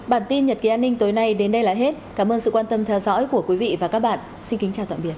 bản tin nhật ký an ninh tối nay đến đây là hết cảm ơn sự quan tâm theo dõi của quý vị và các bạn xin kính chào tạm biệt